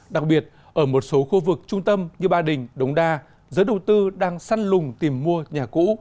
đặc biệt ở một số khu vực trung tâm như ba đình đống đa giới đầu tư đang săn lùng tìm mua nhà cũ